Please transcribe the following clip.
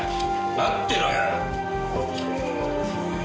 待ってろよ。